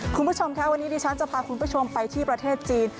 คุณผู้ชมค่ะวันนี้ดิฉันจะพาคุณผู้ชมไปที่ประเทศจีน